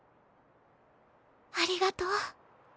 ありがとう。